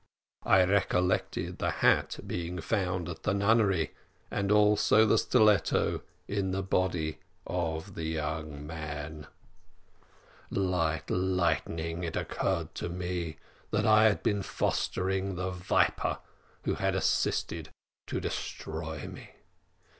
I recollected the hat being found at the nunnery, and also the stiletto in the body of the young man. "Like lightning it occurred to me that I had been fostering the viper who had assisted to destroy me.